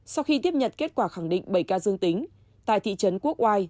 sau khi tiếp nhật kết quả khẳng định bảy ca dương tính tại thị trấn quốc ngoài